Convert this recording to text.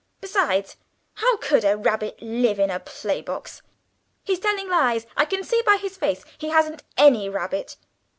Besides, how could a rabbit live in a playbox? He's telling lies. I can see it by his face. He hasn't any rabbit!"